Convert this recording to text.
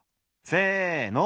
せの！